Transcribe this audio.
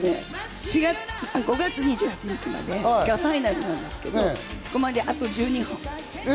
５月２８日がファイナルなんですけど、そこまで１２本。